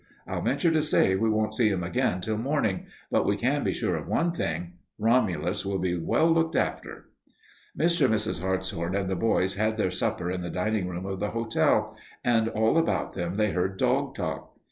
I'll venture to say we won't see him again till morning, but we can be sure of one thing: Romulus will be well looked after." Mr. and Mrs. Hartshorn and the boys had their supper in the dining room of the hotel, and all about them they heard dog talk.